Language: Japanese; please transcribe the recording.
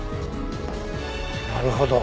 なるほど。